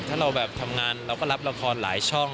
ถ้าเราแบบทำงานเราก็รับละครหลายช่อง